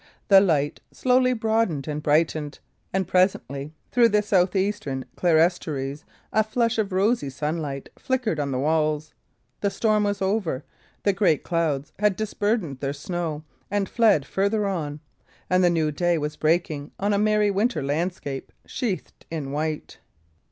The light slowly broadened and brightened, and presently through the south eastern clerestories a flush of rosy sunlight flickered on the walls. The storm was over; the great clouds had disburdened their snow and fled farther on, and the new day was breaking on a merry winter landscape sheathed in white.